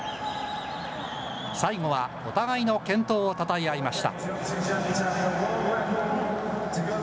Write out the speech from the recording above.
最後はお互いの健闘をたたえ合いました。